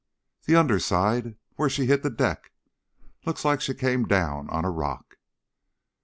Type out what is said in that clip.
"The under side where she hit the deck. Looks like she came down on a rock."